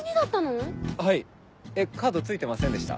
えっカード付いてませんでした？